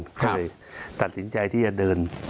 ก็เลยตัดสินใจที่จะเดิน